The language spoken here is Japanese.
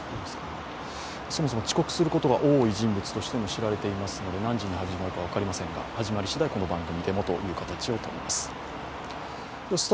そもそも遅刻することが多い人物として知られていますので何時に始まるか分かりませんが始まり次第、お伝えします。